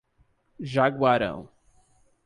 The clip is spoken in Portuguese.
Jaguarão